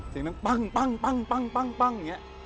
เสียงนั้นปั๊งอย่างเงี้ย